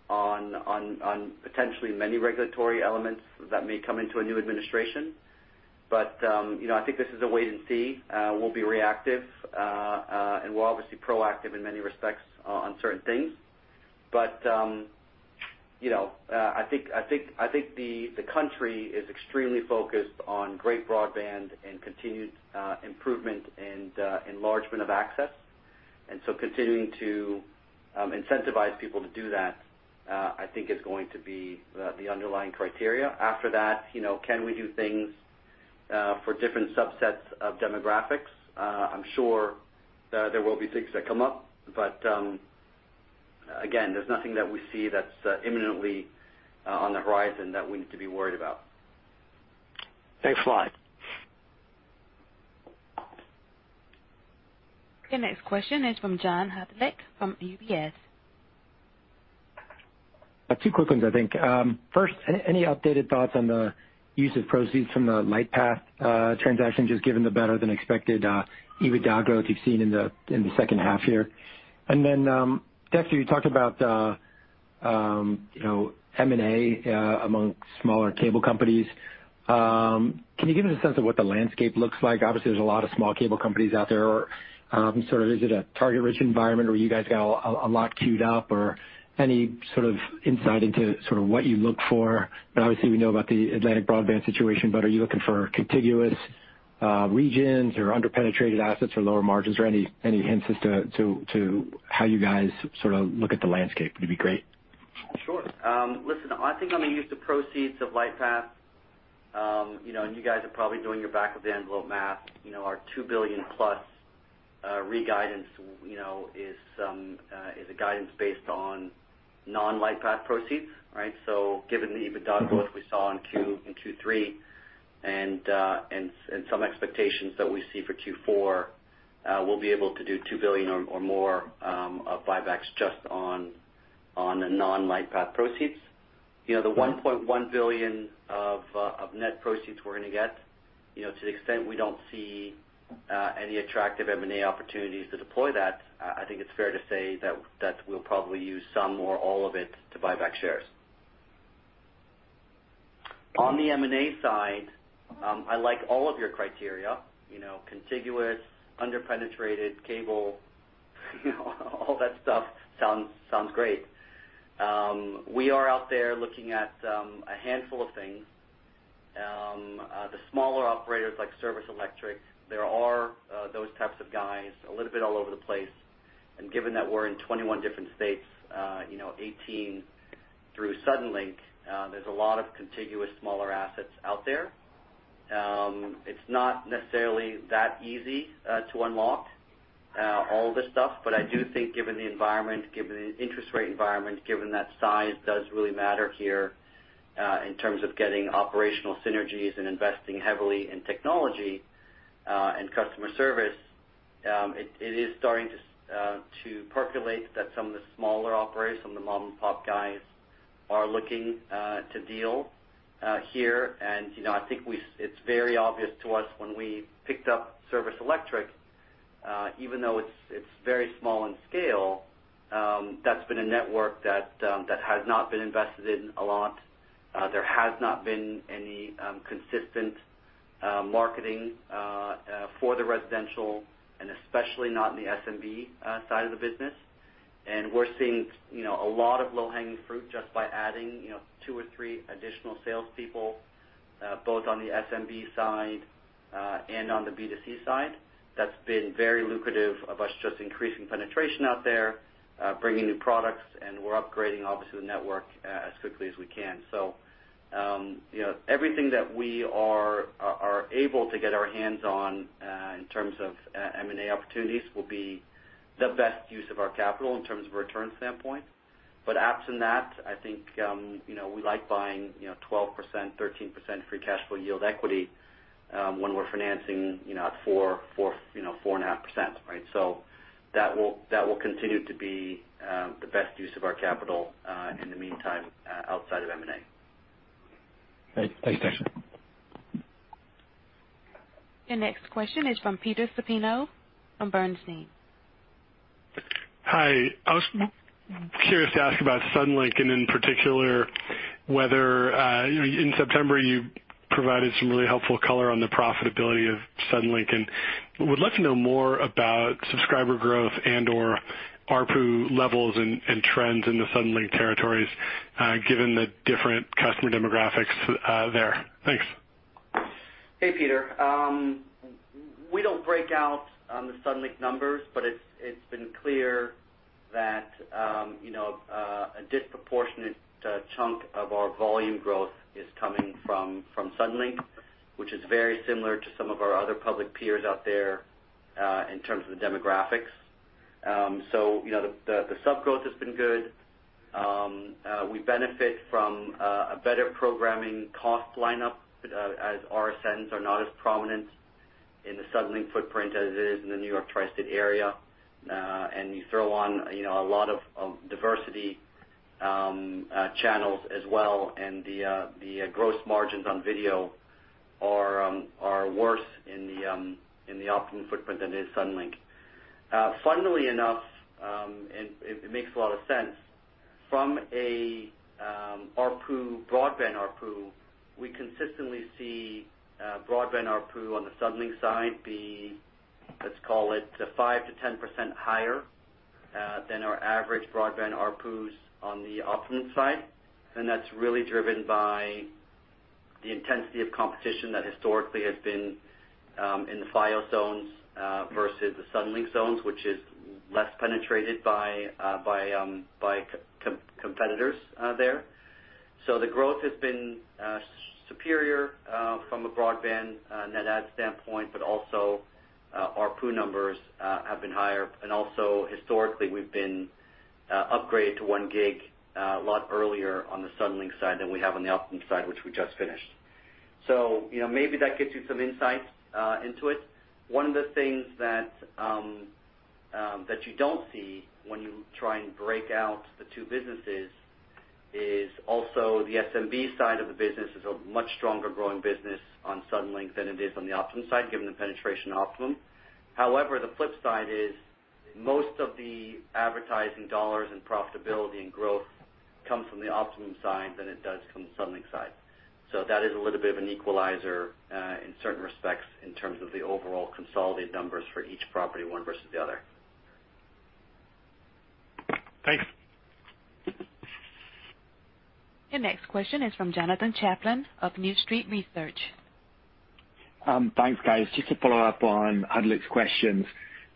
on potentially many regulatory elements that may come into a new administration. But you know, I think this is a wait-and-see. We'll be reactive and we're obviously proactive in many respects on certain things. But, you know, I think the country is extremely focused on great broadband and continued improvement and enlargement of access. And so continuing to incentivize people to do that, I think is going to be the underlying criteria. After that, you know, can we do things for different subsets of demographics? I'm sure there will be things that come up, but again, there's nothing that we see that's imminently on the horizon that we need to be worried about. Thanks a lot. Okay, next question is from John Hodulik from UBS. Two quick ones, I think. First, any updated thoughts on the use of proceeds from the Lightpath transaction, just given the better than expected EBITDA growth you've seen in the second half here? And then, Dexter, you talked about, you know, M&A among smaller cable companies. Can you give us a sense of what the landscape looks like? Obviously, there's a lot of small cable companies out there. Sort of, is it a target-rich environment where you guys got a lot queued up, or any sort of insight into sort of what you look for? But obviously, we know about the Atlantic Broadband situation, but are you looking for contiguous regions or under-penetrated assets or lower margins, or any hints as to how you guys sort of look at the landscape would be great? Sure. Listen, I think I'm gonna use the proceeds of Lightpath. You know, and you guys are probably doing your back-of-the-envelope math. You know, our $2 billion plus re-guidance, you know, is a guidance based on non-Lightpath proceeds, right? So given the EBITDA growth we saw in Q3 and some expectations that we see for Q4, we'll be able to do $2 billion or more of buybacks just on the non-Lightpath proceeds. You know, the $1.1 billion of net proceeds we're gonna get, you know, to the extent we don't see any attractive M&A opportunities to deploy that, I think it's fair to say that we'll probably use some or all of it to buy back shares. On the M&A side, I like all of your criteria, you know, contiguous, under-penetrated cable, you know, all that stuff sounds great. We are out there looking at a handful of things. The smaller operators, like Service Electric, there are those types of guys a little bit all over the place, and given that we're in twenty-one different states, you know, eighteen through Suddenlink, there's a lot of contiguous smaller assets out there. It's not necessarily that easy to unlock all this stuff, but I do think given the environment, given the interest rate environment, given that size does really matter here in terms of getting operational synergies and investing heavily in technology and customer service, it is starting to percolate that some of the smaller operators, some of the mom-and-pop guys are looking to deal here, and you know, I think it's very obvious to us when we picked up Service Electric, even though it's very small in scale, that's been a network that has not been invested in a lot. There has not been any consistent marketing for the residential and especially not in the SMB side of the business. And we're seeing, you know, a lot of low-hanging fruit just by adding, you know, two or three additional salespeople, both on the SMB side, and on the B2C side. That's been very lucrative of us, just increasing penetration out there, bringing new products, and we're upgrading obviously the network, as quickly as we can. So, you know, everything that we are able to get our hands on, in terms of M&A opportunities will be the best use of our capital in terms of a return standpoint. But absent that, I think, you know, we like buying, you know, 12%-13% Free Cash Flow yield equity, when we're financing, you know, at 4%-4.5%, right? So that will continue to be the best use of our capital, in the meantime, outside of M&A. Great. Thanks, Dexter. Your next question is from Peter Supino of Bernstein. Hi, I was curious to ask about Suddenlink, and in particular, whether, you know, in September, you provided some really helpful color on the profitability of Suddenlink, and would love to know more about subscriber growth and/or ARPU levels and, and trends in the Suddenlink territories, given the different customer demographics, there. Thanks. Hey, Peter. We don't break out the Suddenlink numbers, but it's been clear that, you know, a disproportionate chunk of our volume growth is coming from Suddenlink, which is very similar to some of our other public peers out there in terms of the demographics. So, you know, the sub growth has been good. We benefit from a better programming cost lineup, as RSNs are not as prominent in the Suddenlink footprint as it is in the New York Tri-State area. And you throw on, you know, a lot of diversity channels as well, and the gross margins on video are worse in the Optimum footprint than it is Suddenlink. Funnily enough, and it, it makes a lot of sense, from a ARPU, broadband ARPU, we consistently see, broadband ARPU on the Suddenlink side be, let's call it, 5%-10% higher, than our average broadband ARPUs on the Optimum side. And that's really driven by the intensity of competition that historically has been, in the Fios zones, versus the Suddenlink zones, which is less penetrated by, by competitors, there. So the growth has been, superior, from a broadband, net add standpoint, but also, ARPU numbers, have been higher. And also historically, we've been, upgraded to one gig, a lot earlier on the Suddenlink side than we have on the Optimum side, which we just finished. So, you know, maybe that gives you some insight, into it. One of the things that you don't see when you try and break out the two businesses is also the SMB side of the business is a much stronger growing business on Suddenlink than it is on the Optimum side, given the penetration of Optimum. However, the flip side is, most of the advertising dollars and profitability and growth comes from the Optimum side than it does from the Suddenlink side. So that is a little bit of an equalizer, in certain respects, in terms of the overall consolidated numbers for each property, one versus the other. Thanks. Your next question is from Jonathan Chaplin of New Street Research. Thanks, guys. Just to follow up on Hodulik's questions.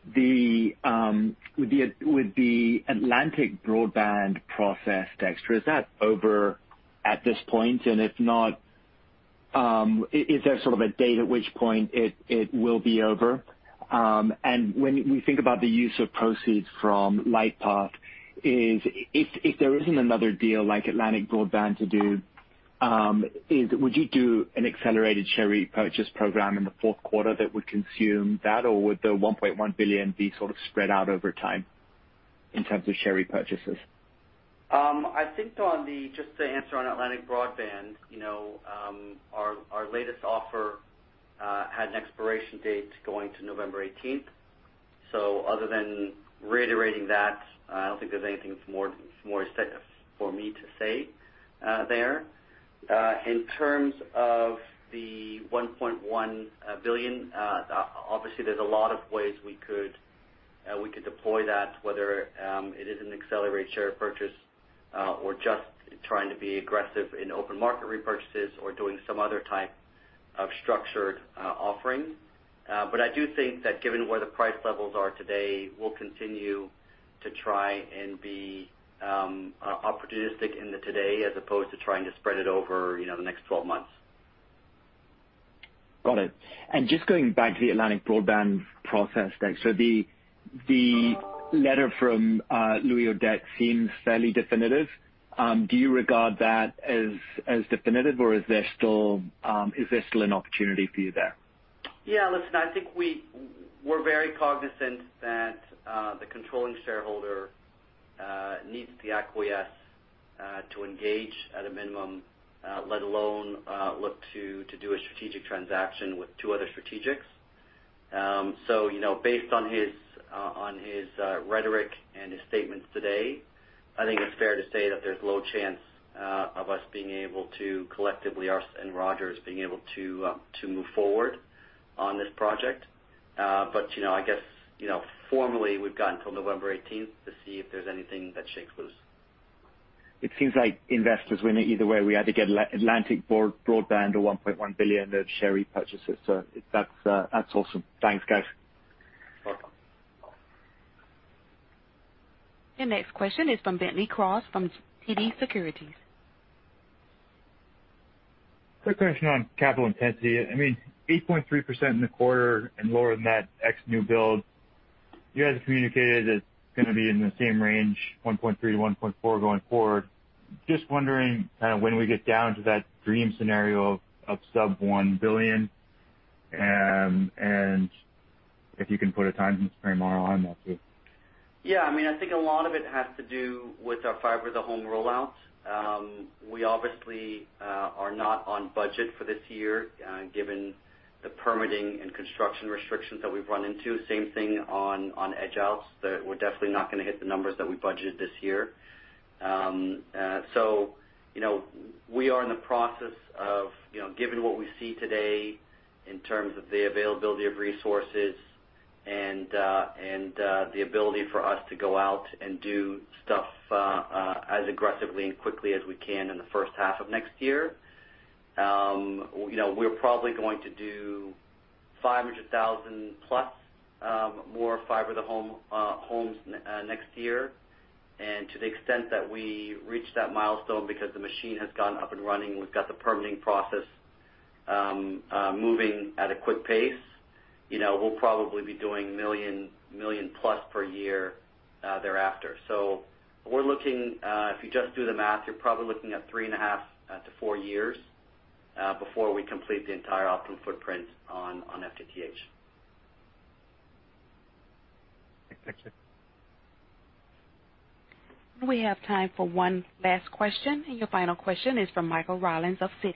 With the Atlantic Broadband process, Dexter, is that over at this point? And if not, is there sort of a date at which point it will be over? And when we think about the use of proceeds from Lightpath, if there isn't another deal like Atlantic Broadband to do, would you do an accelerated share purchase program in the fourth quarter that would consume that? Or would the $1.1 billion be sort of spread out over time in terms of share repurchases? I think on the just to answer on Atlantic Broadband, you know, our latest offer had an expiration date going to November eighteenth. So other than reiterating that, I don't think there's anything that's more set for me to say there. In terms of the $1.1 billion, obviously, there's a lot of ways we could deploy that, whether it is an accelerated share purchase or just trying to be aggressive in open market repurchases or doing some other type of structured offering. But I do think that given where the price levels are today, we'll continue to try and be opportunistic today as opposed to trying to spread it over, you know, the next twelve months. Got it. And just going back to the Atlantic Broadband process, Dexter, the letter from Louis Audet seems fairly definitive. Do you regard that as definitive, or is there still an opportunity for you there? Yeah, listen, I think we're very cognizant that the controlling shareholder needs to acquiesce to engage at a minimum, let alone look to, to do a strategic transaction with two other strategics. So, you know, based on his rhetoric and his statements today, I think it's fair to say that there's low chance of us being able to, collectively, us and Rogers, being able to to move forward on this project. But, you know, I guess, you know, formally, we've got until November eighteenth to see if there's anything that shakes loose. It seems like investors win it either way. We either get Atlantic Broadband or $1.1 billion of share repurchases, so that's, that's awesome. Thanks, guys. Welcome. Your next question is from Bentley Cross, from TD Securities.... Quick question on capital intensity. I mean, 8.3% in the quarter and lower than that, ex new build. You guys have communicated that it's gonna be in the same range, 1.3-1.4, going forward. Just wondering, kind of, when we get down to that dream scenario of sub-$1 billion, and if you can put a time frame around that, too. Yeah, I mean, I think a lot of it has to do with our fiber to the home rollout. We obviously are not on budget for this year, given the permitting and construction restrictions that we've run into. Same thing on Edge Out, that we're definitely not gonna hit the numbers that we budgeted this year. So, you know, we are in the process of, you know, given what we see today in terms of the availability of resources and the ability for us to go out and do stuff as aggressively and quickly as we can in the first half of next year. You know, we're probably going to do 500,000 plus more fiber to home homes next year. And to the extent that we reach that milestone because the machine has gotten up and running, we've got the permitting process moving at a quick pace, you know, we'll probably be doing million plus per year thereafter. So we're looking, if you just do the math, you're probably looking at three and a half to four years before we complete the entire Altice footprint on FTTH. Thank you. We have time for one last question. Your final question is from Michael Rollins of Citi.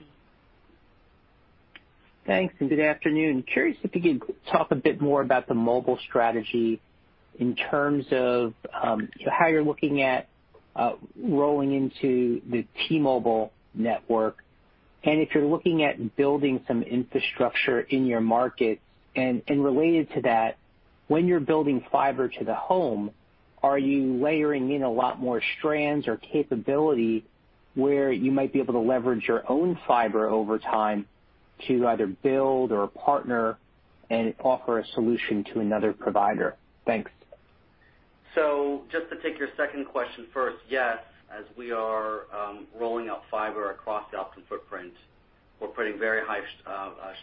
Thanks, and good afternoon. Curious if you could talk a bit more about the mobile strategy in terms of how you're looking at rolling into the T-Mobile network, and if you're looking at building some infrastructure in your market. And related to that, when you're building fiber to the home, are you layering in a lot more strands or capability where you might be able to leverage your own fiber over time to either build or partner and offer a solution to another provider? Thanks. So just to take your second question first, yes, as we are rolling out fiber across the Altice footprint, we're putting very high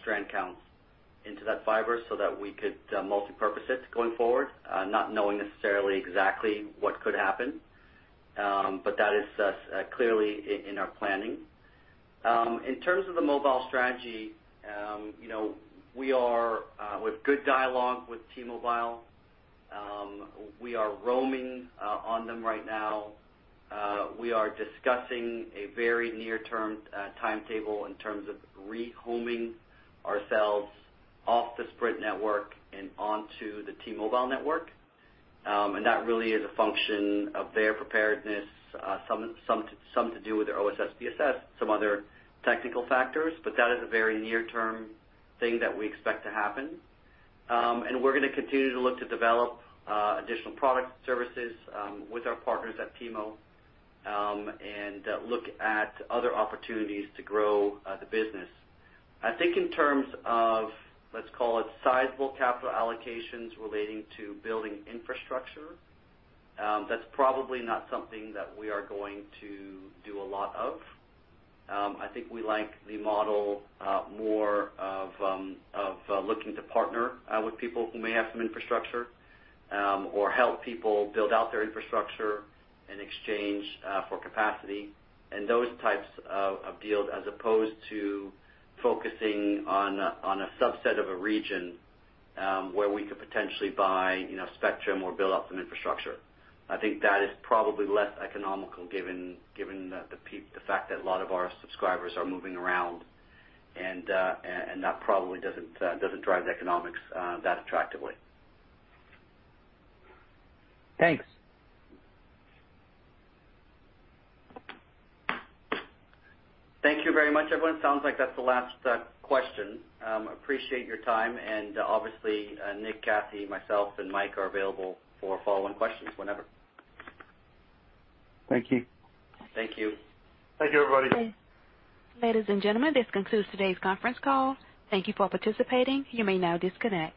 strand counts into that fiber so that we could multipurpose it going forward, not knowing necessarily exactly what could happen. But that is clearly in our planning. In terms of the mobile strategy, you know, we are with good dialogue with T-Mobile. We are roaming on them right now. We are discussing a very near-term timetable in terms of re-homing ourselves off the Sprint network and onto the T-Mobile network. And that really is a function of their preparedness, some to do with their OSS/BSS, some other technical factors. But that is a very near-term thing that we expect to happen. And we're gonna continue to look to develop additional product services with our partners at T-Mo and look at other opportunities to grow the business. I think in terms of, let's call it sizable capital allocations relating to building infrastructure, that's probably not something that we are going to do a lot of. I think we like the model more of looking to partner with people who may have some infrastructure or help people build out their infrastructure in exchange for capacity and those types of deals, as opposed to focusing on a subset of a region where we could potentially buy, you know, spectrum or build out some infrastructure. I think that is probably less economical, given the fact that a lot of our subscribers are moving around, and that probably doesn't drive the economics that attractively. Thanks. Thank you very much, everyone. Sounds like that's the last question. Appreciate your time, and obviously, Nick, Cathy, myself and Mike are available for follow-on questions whenever. Thank you. Thank you. Thank you, everybody. Ladies and gentlemen, this concludes today's conference call. Thank you for participating. You may now disconnect.